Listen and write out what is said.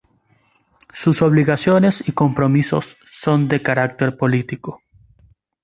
Sus obligaciones y compromisos son de carácter político.